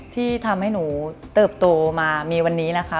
ที่ทำให้หนูเติบโตมามีวันนี้นะคะ